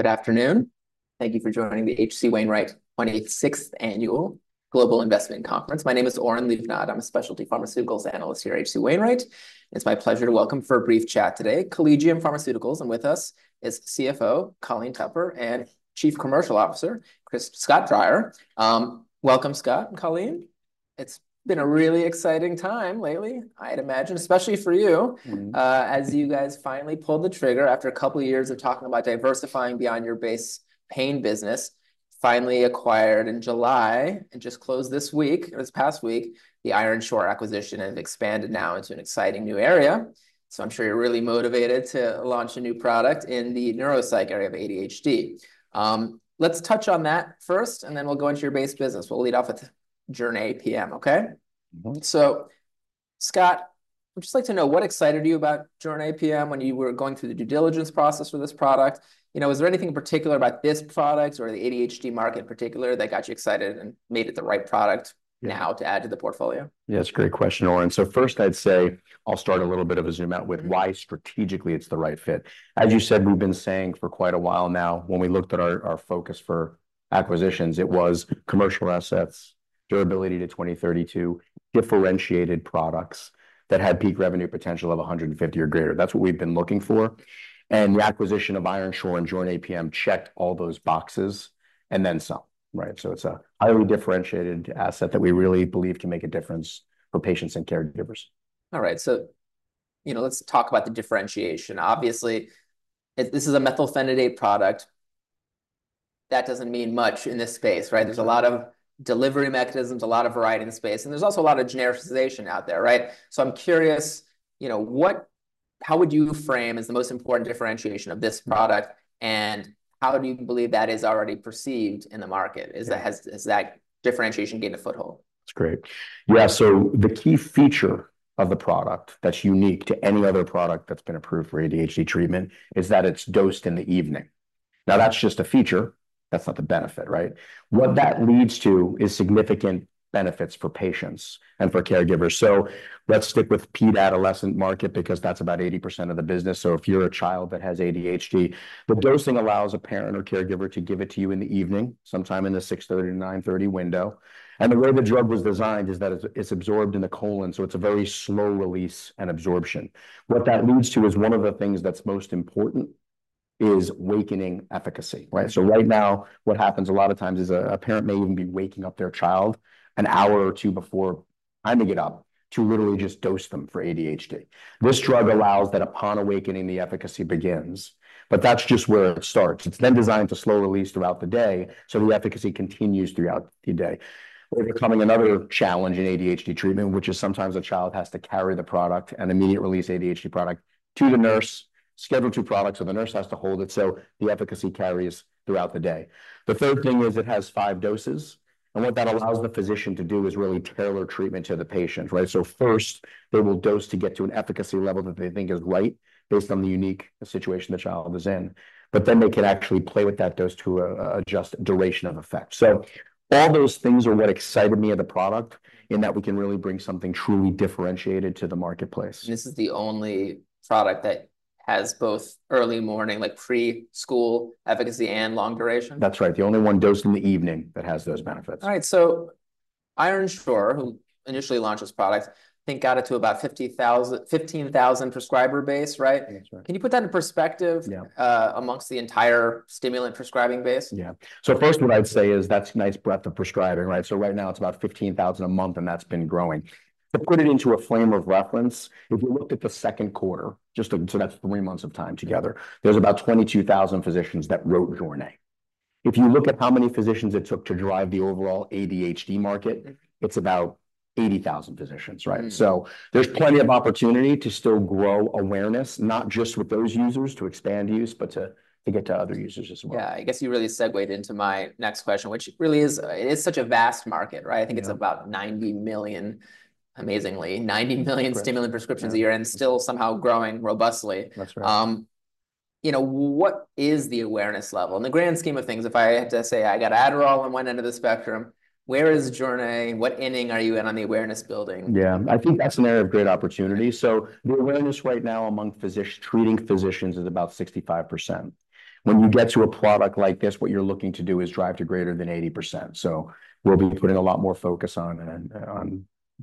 Good afternoon. Thank you for joining the H.C. Wainwright twenty-sixth Annual Global Investment Conference. My name is Oren Livnat. I'm a specialty pharmaceuticals analyst here at H.C. Wainwright, and it's my pleasure to welcome for a brief chat today, Collegium Pharmaceutical, and with us is CFO Colleen Tupper and Chief Commercial Officer Chris-- Scott Dreyer. Welcome, Scott and Colleen. It's been a really exciting time lately, I'd imagine, especially for you. Mm-hmm. As you guys finally pulled the trigger after a couple of years of talking about diversifying beyond your base pain business, finally acquired in July and just closed this week, or this past week, the Ironshore acquisition, and have expanded now into an exciting new area. So I'm sure you're really motivated to launch a new product in the neuropsych area of ADHD. Let's touch on that first, and then we'll go into your base business. We'll lead off with Jornay PM, okay? Mm-hmm. So, Scott, I'd just like to know what excited you about Jornay PM when you were going through the due diligence process for this product? You know, was there anything in particular about this product or the ADHD market in particular that got you excited and made it the right product now to add to the portfolio? Yeah, it's a great question, Oren. So first, I'd say I'll start a little bit of a zoom out with why, strategically, it's the right fit. As you said, we've been saying for quite a while now, when we looked at our focus for acquisitions, it was commercial assets, durability to 2032, differentiated products that had peak revenue potential of 150 or greater. That's what we've been looking for, and the acquisition of Ironshore and Jornay PM checked all those boxes and then some, right? So it's a highly differentiated asset that we really believe can make a difference for patients and caregivers. All right, so, you know, let's talk about the differentiation. Obviously, it, this is a methylphenidate product. That doesn't mean much in this space, right? Mm-hmm. There's a lot of delivery mechanisms, a lot of variety in the space, and there's also a lot of genericization out there, right? So I'm curious, you know, what... how would you frame as the most important differentiation of this product, and how do you believe that is already perceived in the market? Yeah. Has that differentiation gained a foothold? That's great. Yeah, so the key feature of the product that's unique to any other product that's been approved for ADHD treatment is that it's dosed in the evening. Now, that's just a feature. That's not the benefit, right? Mm-hmm. What that leads to is significant benefits for patients and for caregivers. So let's stick with ped-adolescent market, because that's about 80% of the business. So if you're a child that has ADHD, the dosing allows a parent or caregiver to give it to you in the evening, sometime in the 6:30 P.M. to 9:30 P.M. window, and the way the drug was designed is that it's absorbed in the colon, so it's a very slow release and absorption. What that leads to is one of the things that's most important is waking efficacy, right? So right now, what happens a lot of times is a parent may even be waking up their child an hour or two before timing it up to literally just dose them for ADHD. This drug allows that upon awakening, the efficacy begins, but that's just where it starts. It's then designed to slow release throughout the day, so the efficacy continues throughout the day. Overcoming another challenge in ADHD treatment, which is sometimes a child has to carry the product, an immediate-release ADHD product, to the nurse, Schedule II products, so the nurse has to hold it so the efficacy carries throughout the day. The third thing is it has five doses, and what that allows the physician to do is really tailor treatment to the patient, right? So first, they will dose to get to an efficacy level that they think is right based on the unique situation the child is in, but then they can actually play with that dose to adjust duration of effect. So all those things are what excited me of the product, in that we can really bring something truly differentiated to the marketplace. This is the only product that has both early morning, like pre-school efficacy and long duration? That's right. The only one dosed in the evening that has those benefits. All right. So Ironshore, who initially launched this product, I think, got it to about 15,000 prescriber base, right? That's right. Can you put that in perspective? Yeah... amongst the entire stimulant prescribing base? Yeah. So first, what I'd say is that's nice breadth of prescribing, right? So right now, it's about fifteen thousand a month, and that's been growing. To put it into a frame of reference, if we looked at the second quarter, just so that's three months of time together, there's about twenty-two thousand physicians that wrote Jornay. If you look at how many physicians it took to drive the overall ADHD market- Mm... it's about eighty thousand physicians, right? Mm. There's plenty of opportunity to still grow awareness, not just with those users, to expand use, but to get to other users as well. Yeah, I guess you really segued into my next question, which really is, it is such a vast market, right? Yeah. I think it's about $90 million, amazingly, $90 million- Right... stimulant prescriptions a year and still somehow growing robustly. That's right. You know, what is the awareness level? In the grand scheme of things, if I had to say, I got Adderall on one end of the spectrum, where is Jornay? What inning are you in on the awareness building? Yeah, I think that's an area of great opportunity. So the awareness right now among physicians, treating physicians is about 65%. Mm. When you get to a product like this, what you're looking to do is drive to greater than 80%. So we'll be putting a lot more focus on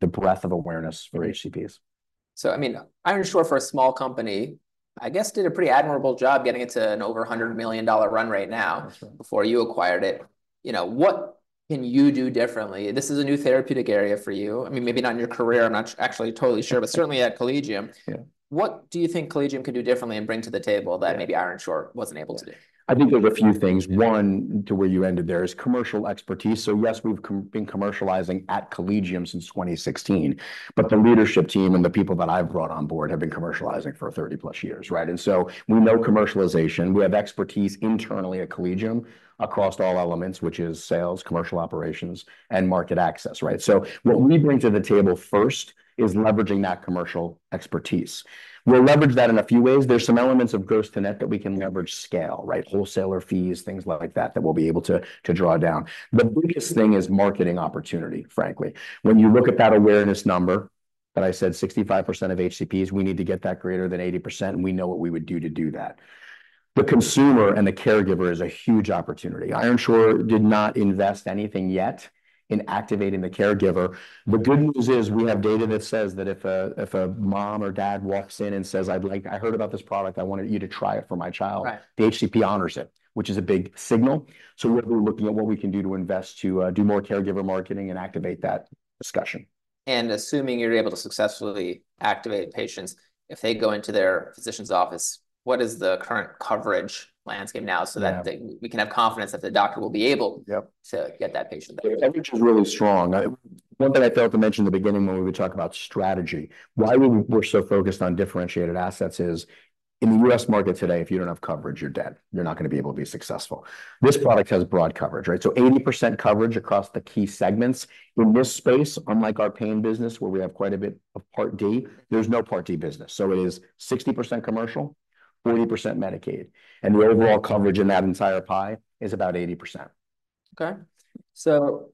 the breadth of awareness for HCPs. So, I mean, Ironshore, for a small company, I guess, did a pretty admirable job getting it to over $100 million run rate now. That's right... before you acquired it. You know, what can you do differently? This is a new therapeutic area for you. I mean, maybe not in your career, I'm not actually totally sure, but certainly at Collegium. Yeah. What do you think Collegium can do differently and bring to the table that? Yeah... maybe Ironshore wasn't able to do? I think there's a few things. One, to where you ended there, is commercial expertise. So yes, we've been commercializing at Collegium since 2016, but the leadership team and the people that I've brought on board have been commercializing for 30-plus years, right? So we know commercialization. We have expertise internally at Collegium across all elements, which is sales, commercial operations, and market access, right? So what we bring to the table first is leveraging that commercial expertise. We'll leverage that in a few ways. There's some elements of gross to net that we can leverage scale, right? Wholesaler fees, things like that, that we'll be able to to draw down. The biggest thing is marketing opportunity, frankly. When you look at that awareness number-... But I said 65% of HCPs, we need to get that greater than 80%, and we know what we would do to do that. The consumer and the caregiver is a huge opportunity. Ironshore did not invest anything yet in activating the caregiver. The good news is, we have data that says that if a mom or dad walks in and says, "I'd like-- I heard about this product, I want you to try it for my child- Right. -the HCP honors it, which is a big signal. So we're looking at what we can do to invest to do more caregiver marketing and activate that discussion. Assuming you're able to successfully activate patients, if they go into their physician's office, what is the current coverage landscape now? Yeah so that we can have confidence that the doctor will be able- Yep to get that patient there? The coverage is really strong. One thing I failed to mention at the beginning when we were talking about strategy, why we're so focused on differentiated assets is, in the U.S. market today, if you don't have coverage, you're dead. You're not gonna be able to be successful. Mm. This product has broad coverage, right? So 80% coverage across the key segments. Mm. In this space, unlike our pain business, where we have quite a bit of Part D, there's no Part D business, so it is 60% commercial, 40% Medicaid. Mm. The overall coverage in that entire pie is about 80%. Okay. So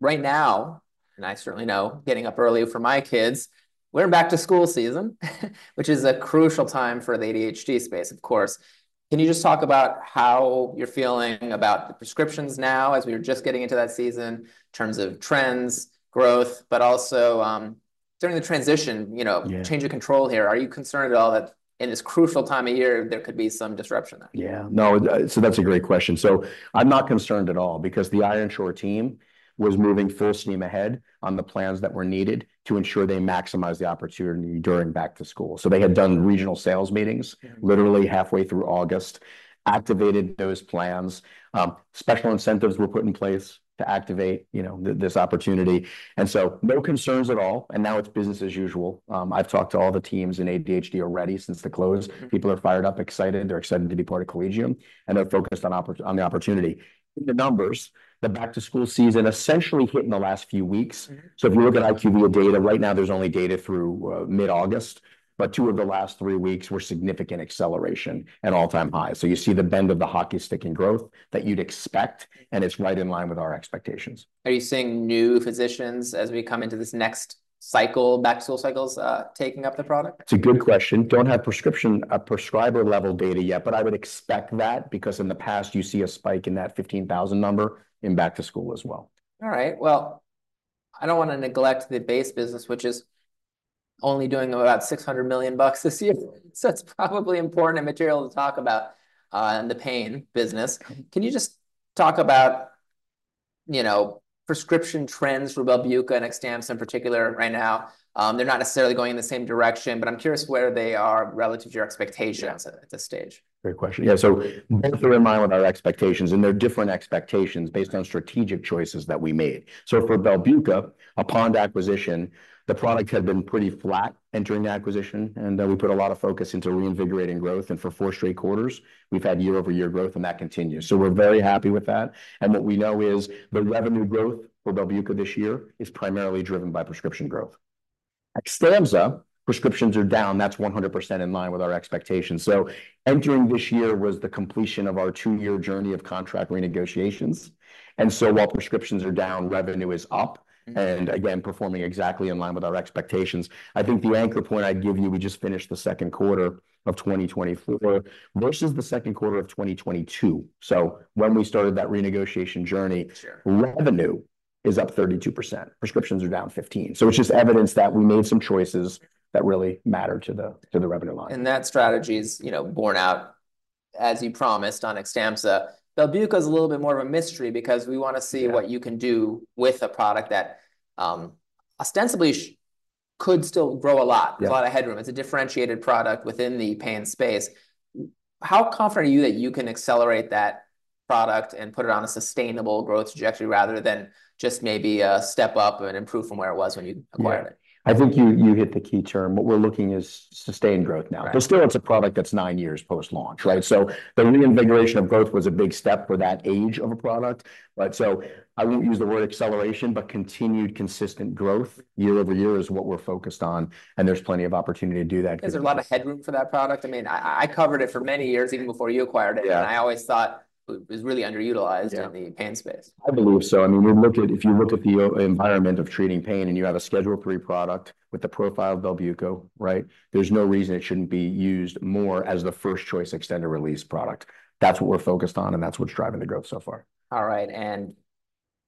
right now, and I certainly know, getting up early for my kids, we're in back to school season, which is a crucial time for the ADHD space, of course. Can you just talk about how you're feeling about the prescriptions now, as we're just getting into that season, in terms of trends, growth, but also, during the transition, you know? Yeah... change of control here. Are you concerned at all that in this crucial time of year, there could be some disruption there? Yeah. No, so that's a great question. So I'm not concerned at all because the Ironshore team was moving full steam ahead on the plans that were needed to ensure they maximize the opportunity during back-to-school. Mm. They had done regional sales meetings. Mm... literally halfway through August, activated those plans. Special incentives were put in place to activate, you know, this opportunity, and so no concerns at all, and now it's business as usual. I've talked to all the teams in ADHD already since the close. Mm-hmm. People are fired up, excited, and they're excited to be part of Collegium, and they're focused on the opportunity. The numbers, the back to school season essentially hit in the last few weeks. Mm-hmm. So if you look at IQVIA data, right now there's only data through mid-August, but two of the last three weeks were significant acceleration and all-time high. So you see the bend of the hockey stick in growth that you'd expect, and it's right in line with our expectations. Are you seeing new physicians as we come into this next cycle, back to school cycles, taking up the product? It's a good question. Don't have prescription at prescriber level data yet, but I would expect that because in the past you see a spike in that 15,000 number in back to school as well. All right, well, I don't want to neglect the base business, which is only doing about $600 million this year, so that's probably important and material to talk about in the pain business. Mm. Can you just talk about, you know, prescription trends for Belbuca and Xtampza in particular right now? They're not necessarily going in the same direction, but I'm curious where they are relative to your expectations at this stage. Great question. Yeah, so- Mm... both are in line with our expectations, and they're different expectations based on strategic choices that we made. So for Belbuca, upon the acquisition, the product had been pretty flat entering the acquisition, and we put a lot of focus into reinvigorating growth, and for four straight quarters, we've had year-over-year growth, and that continues. So we're very happy with that, and what we know is the revenue growth for Belbuca this year is primarily driven by prescription growth. Xtampza, prescriptions are down. That's 100% in line with our expectations. So entering this year was the completion of our two-year journey of contract renegotiations, and so while prescriptions are down, revenue is up- Mm... and again, performing exactly in line with our expectations. I think the anchor point I'd give you, we just finished the second quarter of 2024 versus the second quarter of 2022. So when we started that renegotiation journey- Sure... revenue is up 32%. Prescriptions are down 15%. So it's just evidence that we made some choices that really matter to the revenue line. And that strategy is, you know, borne out, as you promised, on Xtampza. Belbuca is a little bit more of a mystery because we want to see. Yeah... what you can do with a product that, ostensibly could still grow a lot. Yeah. A lot of headroom. It's a differentiated product within the pain space. How confident are you that you can accelerate that product and put it on a sustainable growth trajectory rather than just maybe a step up and improve from where it was when you acquired it? Yeah. I think you hit the key term. What we're looking is sustained growth now. Right. But still, it's a product that's nine years post-launch, right? So the reinvigoration of growth was a big step for that age of a product, right? So I wouldn't use the word acceleration, but continued, consistent growth year over year is what we're focused on, and there's plenty of opportunity to do that. Is there a lot of headroom for that product? I mean, I covered it for many years, even before you acquired it- Yeah... and I always thought it was really underutilized- Yeah... in the pain space. I believe so. I mean, when you look at the environment of treating pain and you have a Schedule III product with the profile of Belbuca, right? There's no reason it shouldn't be used more as the first-choice extended-release product. That's what we're focused on, and that's what's driving the growth so far. All right, and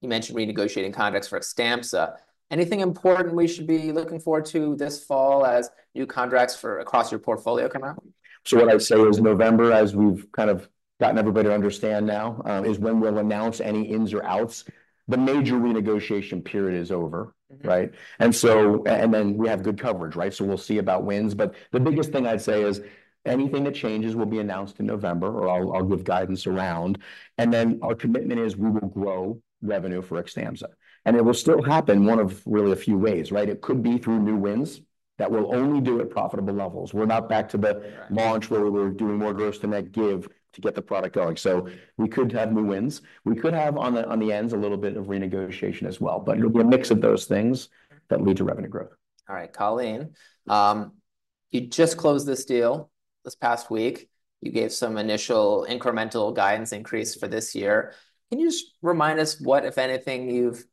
you mentioned renegotiating contracts for Xtampza. Anything important we should be looking forward to this fall as new contracts for across your portfolio come out? So what I'd say is November, as we've kind of gotten everybody to understand now, is when we'll announce any ins or outs. The major renegotiation period is over. Mm-hmm. Right? And so, and then we have good coverage, right? So we'll see about wins, but the biggest thing I'd say is anything that changes will be announced in November, or I'll give guidance around, and then our commitment is we will grow revenue for Xtampza, and it will still happen one of really a few ways, right? It could be through new wins that will only do at profitable levels. We're not back to the- Right... launch, where we're doing more gross-to-net give to get the product going. So we could have new wins. We could have, on the, on the ends, a little bit of renegotiation as well- Mm... but it'll be a mix of those things that lead to revenue growth. All right, Colleen. You just closed this deal this past week. You gave some initial incremental guidance increase for this year. Can you just remind us what, if anything, you've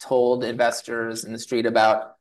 told investors in the street about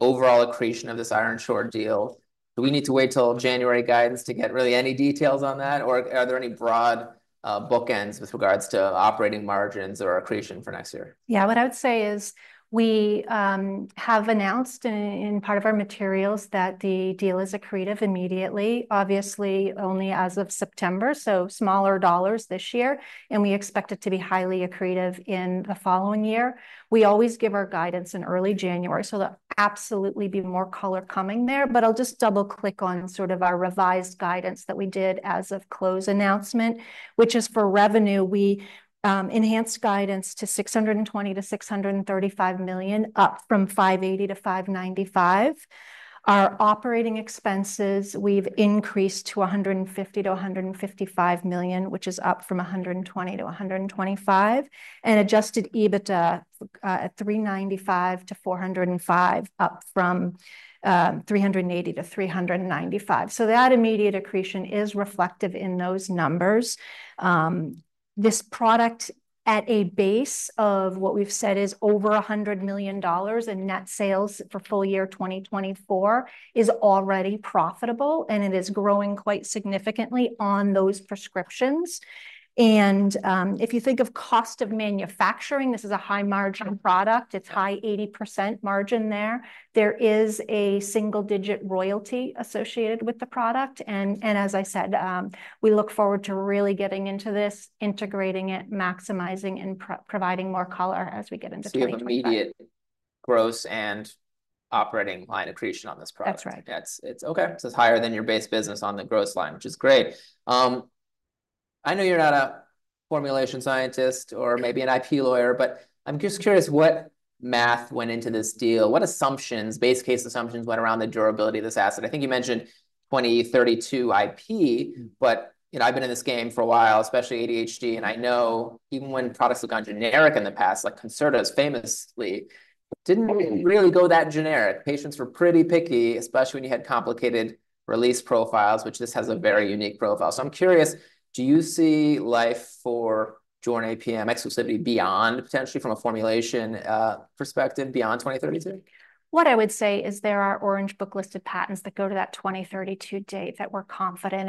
overall accretion of this Ironshore deal? Do we need to wait till January guidance to get really any details on that, or are there any broad bookends with regards to operating margins or accretion for next year? Yeah, what I would say is we have announced in part of our materials that the deal is accretive immediately, obviously only as of September, so smaller dollars this year, and we expect it to be highly accretive in the following year. We always give our guidance in early January, so there'll absolutely be more color coming there. But I'll just double-click on sort of our revised guidance that we did as of close announcement, which is for revenue. We enhanced guidance to $620 million-$635 million, up from $580 million-$595 million. Our operating expenses, we've increased to $150 million-$155 million, which is up from $120 million-$125 million, and Adjusted EBITDA at $395-$405, up from $380-$395. So that immediate accretion is reflective in those numbers. This product, at a base of what we've said is over $100 million in net sales for full year 2024, is already profitable, and it is growing quite significantly on those prescriptions. If you think of cost of manufacturing, this is a high-margin product. It's high 80% margin there. There is a single-digit royalty associated with the product, and as I said, we look forward to really getting into this, integrating it, maximizing, and providing more color as we get into 2025. So you have immediate gross and operating line accretion on this product? That's right. Okay, so it's higher than your base business on the gross line, which is great. I know you're not a formulation scientist or maybe an IP lawyer, but I'm just curious what math went into this deal. What assumptions, base case assumptions, went around the durability of this asset? I think you mentioned twenty thirty-two IP, but, you know, I've been in this game for a while, especially ADHD, and I know even when products have gone generic in the past, like Concerta famously didn't really go that generic. Patients were pretty picky, especially when you had complicated release profiles, which this has a very unique profile. So I'm curious, do you see life for Jornay PM exclusivity beyond, potentially from a formulation, perspective, beyond 2032? What I would say is there are Orange Book listed patents that go to that 2032 date that we're confident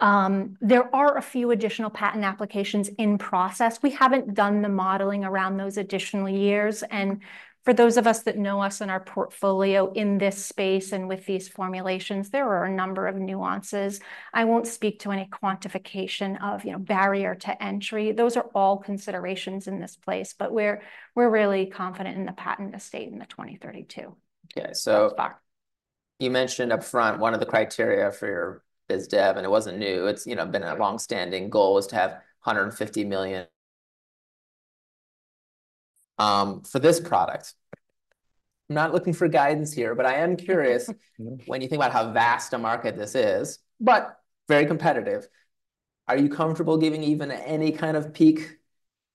in. There are a few additional patent applications in process. We haven't done the modeling around those additional years, and for those of us that know us and our portfolio in this space and with these formulations, there are a number of nuances. I won't speak to any quantification of, you know, barrier to entry. Those are all considerations in this place, but we're really confident in the patent estate in the 2032. Okay, so- Yeah... you mentioned upfront one of the criteria for your biz dev, and it wasn't new, it's, you know, been a long-standing goal, is to have $150 million for this product. I'm not looking for guidance here, but I am curious, when you think about how vast a market this is, but very competitive, are you comfortable giving even any kind of peak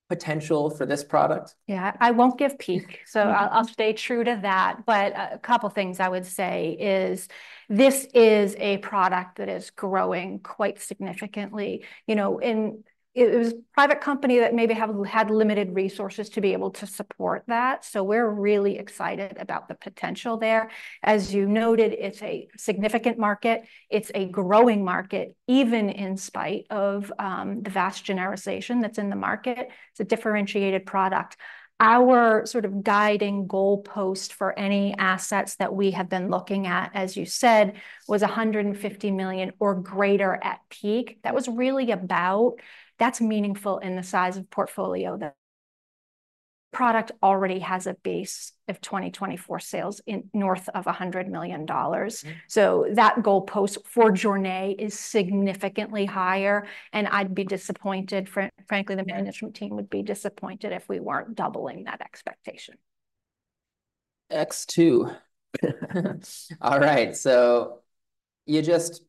potential for this product? Yeah, I won't give peak, so I'll stay true to that. But a couple things I would say is, this is a product that is growing quite significantly. You know, It was a private company that maybe had limited resources to be able to support that, so we're really excited about the potential there. As you noted, it's a significant market. It's a growing market, even in spite of the vast genericization that's in the market. It's a differentiated product. Our sort of guiding goal post for any assets that we have been looking at, as you said, was $150 million or greater at peak. That was really about. That's meaningful in the size of portfolio the product already has a base of 2024 sales in north of $100 million. Mm. So that goal post for Jornay is significantly higher, and I'd be disappointed, frankly. Yeah... the management team would be disappointed if we weren't doubling that expectation. Exactly OR X 2. All right, so you just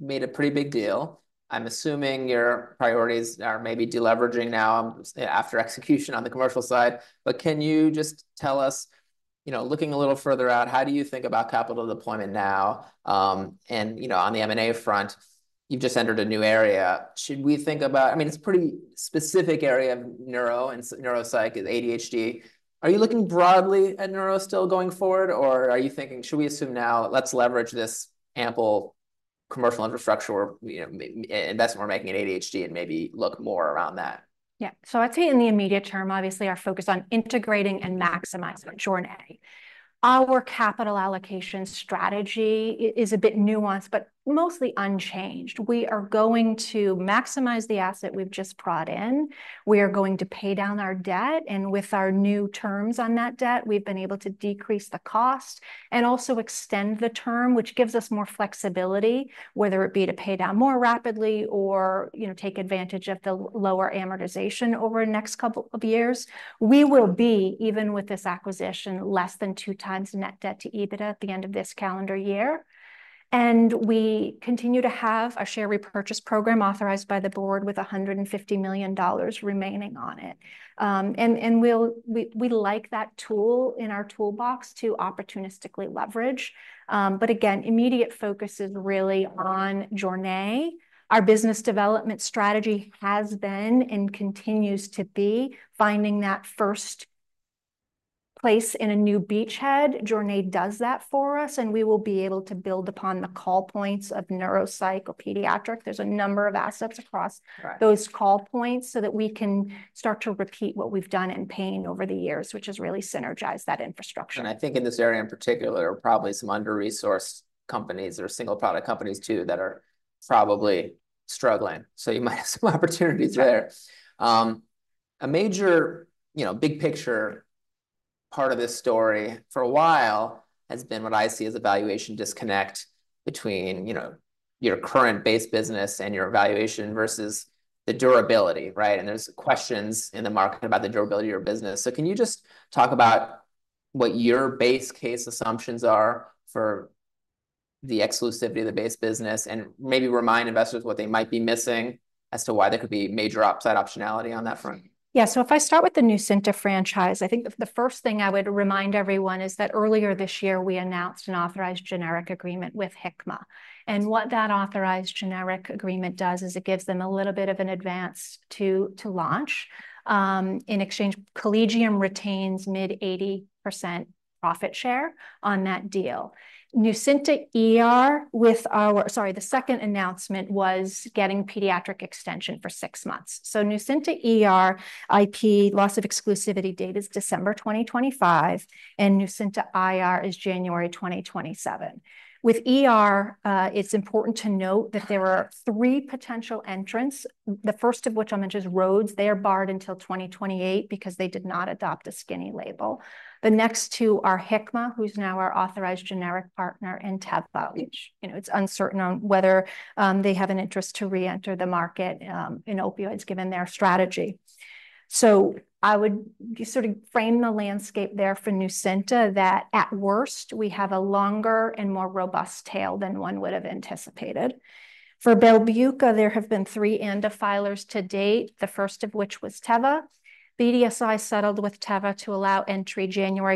made a pretty big deal. I'm assuming your priorities are maybe deleveraging now, after execution on the commercial side. But can you just tell us, you know, looking a little further out, how do you think about capital deployment now? And, you know, on the M&A front, you've just entered a new area. Should we think about-- I mean, it's a pretty specific area of neuro and neuropsych is ADHD. Are you looking broadly at neuro still going forward, or are you thinking, "Should we assume now, let's leverage this ample commercial infrastructure, you know, investment we're making in ADHD, and maybe look more around that? Yeah, so I'd say in the immediate term, obviously, our focus on integrating and maximizing Jornay. Our capital allocation strategy is a bit nuanced but mostly unchanged. We are going to maximize the asset we've just brought in. We are going to pay down our debt, and with our new terms on that debt, we've been able to decrease the cost and also extend the term, which gives us more flexibility, whether it be to pay down more rapidly or, you know, take advantage of the lower amortization over the next couple of years. We will be, even with this acquisition, less than two times net debt to EBITDA at the end of this calendar year, and we continue to have a share repurchase program authorized by the board with $150 million remaining on it. And we'd like that tool in our toolbox to opportunistically leverage. But again, immediate focus is really on Jornay. Our business development strategy has been and continues to be finding that first place in a new beachhead. Jornay does that for us, and we will be able to build upon the call points of neuropsych or pediatric. There's a number of assets across- Right those call points so that we can start to repeat what we've done in pain over the years, which has really synergized that infrastructure. I think in this area in particular, there are probably some under-resourced companies or single product companies, too, that are probably struggling. You might have some opportunities there. A major, you know, big picture part of this story for a while has been what I see as a valuation disconnect between, you know, your current base business and your valuation versus the durability, right? There's questions in the market about the durability of your business. Can you just talk about what your base case assumptions are for the exclusivity of the base business, and maybe remind investors what they might be missing as to why there could be major upside optionality on that front? Yeah. So if I start with the Nucynta franchise, I think the first thing I would remind everyone is that earlier this year, we announced an authorized generic agreement with Hikma. And what that authorized generic agreement does is it gives them a little bit of an advance to launch. In exchange, Collegium retains mid-80% profit share on that deal. Nucynta ER. The second announcement was getting pediatric extension for six months. So Nucynta ER IP, loss of exclusivity date is December 2025, and Nucynta IR is January 2027. With ER, it's important to note that there are three potential entrants, the first of which I'll mention is Rhodes. They are barred until 2028 because they did not adopt a skinny label. The next two are Hikma, who's now our authorized generic partner, and Teva, which, you know, it's uncertain on whether they have an interest to reenter the market in opioids, given their strategy. So I would sort of frame the landscape there for Nucynta that, at worst, we have a longer and more robust tail than one would have anticipated. For Belbuca, there have been three ANDA filers to date, the first of which was Teva. BDSI settled with Teva to allow entry January-